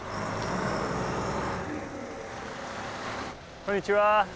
こんにちは。